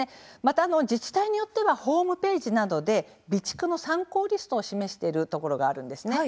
自治体によってはホームページなどで備蓄の参考リストを示しているところもあるんです。